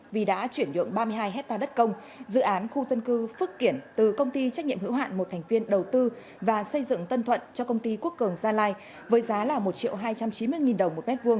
vì đã chuyển nhượng ba mươi hai hectare đất công dự án khu dân cư phước kiển từ công ty trách nhiệm hữu hạn một thành viên đầu tư và xây dựng tân thuận cho công ty quốc cường gia lai với giá một hai trăm chín mươi đồng một m hai